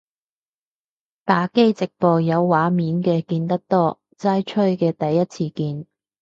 打機直播有畫面嘅見得多，齋吹嘅第一次見